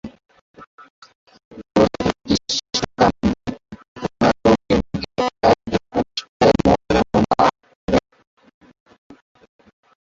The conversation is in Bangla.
চলচ্চিত্রটি শ্রেষ্ঠ কাহিনি ও চিত্রনাট্য বিভাগে একাডেমি পুরস্কারের মনোনয়ন লাভ করে।